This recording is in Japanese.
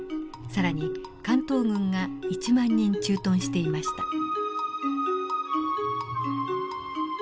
更に関東軍が１万人駐屯していました。